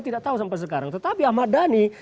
tidak tahu sampai sekarang tetapi ahmad dhani